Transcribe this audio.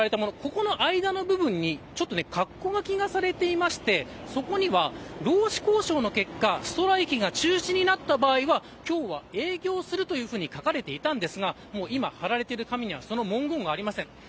この間の部分にかっこ書きがされていてそこには、労使交渉の結果ストライキが中止になった場合は今日は営業するというふうに書かれていたんですが今、貼られている紙にはその文言はありません。